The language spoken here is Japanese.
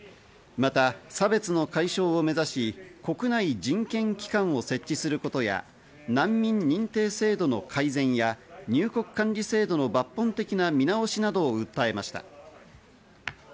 また差別の解消を目指し、国内人権機関を設置することや、難民認定制度の改善や入国管理制度の抜本的な見直しなどを訴えました。